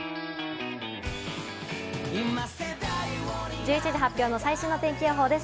１１時発表の最新の天気予報です。